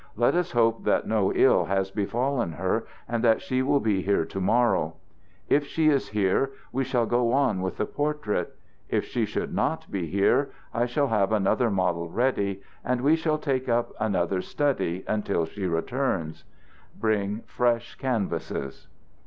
Let us hope that no ill has befallen her and that she will be here to morrow. If she is here, we shall go on with the portrait. If she should not be here, I shall have another model ready, and we shall take up another study until she returns. Bring fresh canvases."